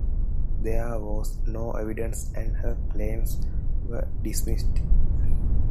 There was no evidence and her claims were dismissed.